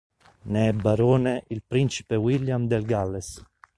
Ne è Barone il principe William del Galles.